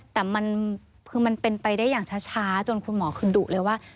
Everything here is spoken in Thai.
แต่มันคือมันเป็นไปได้อย่างช้าจนคุณหมอคือดุเลยว่า